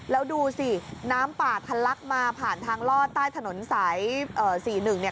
แล้วดูสิน้ำป่าทันลักษณ์มาผ่านทางลอดใต้ถนนสาย๔๑